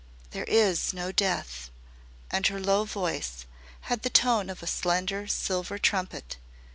"THERE IS NO DEATH," and her low voice had the tone of a slender silver trumpet.